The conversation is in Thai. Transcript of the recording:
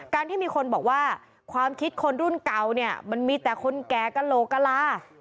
ที่มีคนบอกว่าความคิดคนรุ่นเก่าเนี่ยมันมีแต่คนแก่กระโหลกกะลา